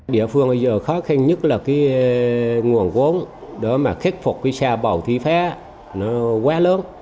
địa phương bây giờ khó khăn nhất là nguồn vốn để khích phục xa bầu thi phá quá lớn